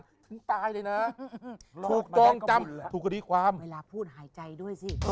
ถึงตายเลยนะถูกจองจำถูกคดีความเวลาพูดหายใจด้วยสิ